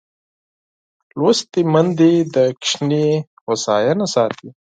لوستې میندې د ماشوم هوساینه ساتي.